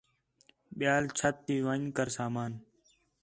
ٻِیال جھٹ تی ون٘ڄ کر سامان